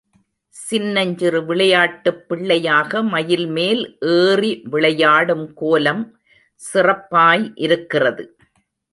சின்னஞ்சிறு விளையாட்டுப் பிள்ளையாக மயில்மேல் ஏறி விளையாடும் கோலம் சிறப்பாய் இருக்கிறது.